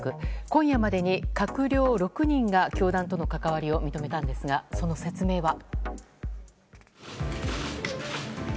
今夜までに閣僚６人が教団との関わりを認めたんですがその説明は。